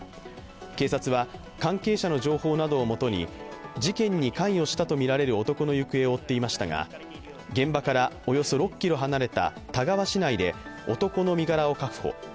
警察は関係者の情報などをもとに、事件に関与したとみられる男の行方を追っていましたが、現場からおよそ６ｋｍ離れた田川市内で男の身柄を確保。